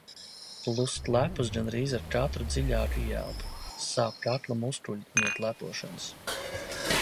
Plus klepus gandrīz ar katru dziļāku ieelpu. sāp kakla muskuļi no klepošanas.